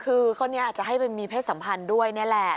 คือคนนี้อาจจะให้ไปมีเพศสัมพันธ์ด้วยนี่แหละ